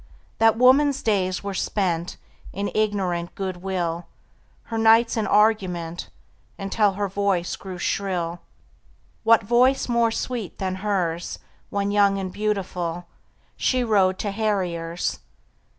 That woman's days were spent In ignorant good will, Her nights in argument Until her voice grew shrill. What voice more sweet than hers When young and beautiful, She rode to harriers?